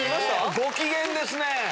ご機嫌ですね。